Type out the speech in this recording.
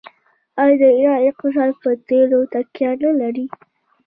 آیا د ایران اقتصاد په تیلو تکیه نلري؟